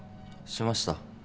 しました。